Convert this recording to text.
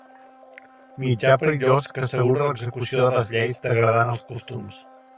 Mitjà perillós que assegura l'execució de les lleis degradant els costums.